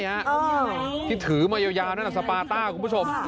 ที่ถือมายาวนั่นสปาต้าคุณผู้ชม